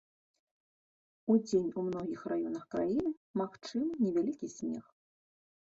Удзень у многіх раёнах краіны магчымы невялікі снег.